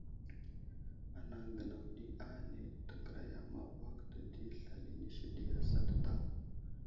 Anaŋ gənaw ɗi ane təŋgəriya ma awak dedi slal inisi ɗi asat daw.